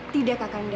tidak kakak dinda